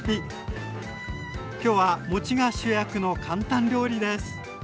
今日はもちが主役の簡単料理です！